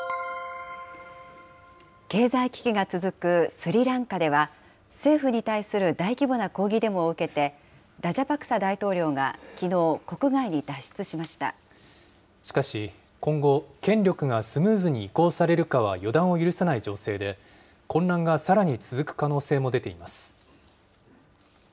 経済危機が続くスリランカでは、政府に対する大規模な抗議デモを受けて、ラジャパクサ大統領がきしかし、今後、権力がスムーズに移行されるかは予断を許さない情勢で、混乱がさらに続く可能性も出ています。